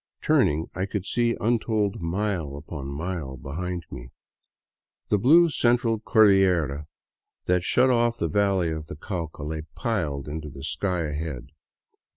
Turning, I could see untold mile upon mile behind me. The blue Central Cordillera that shut off the valley of the Cauca lay piled into the sky ahead.